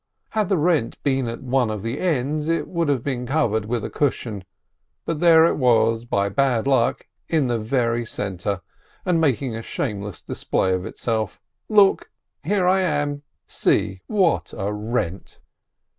Had the rent been at one of the ends, it could have been covered with a cushion, but there it was, by bad luck, in the very centre, and making a shameless display of itself : Look, here I am ! See what a rent